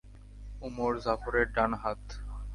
ওমর জাফরের ডান হাত!